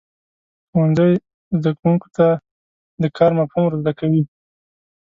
ښوونځی زده کوونکو ته د کار مفهوم ورزده کوي.